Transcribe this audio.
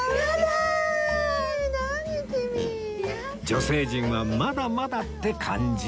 女性陣はまだまだって感じ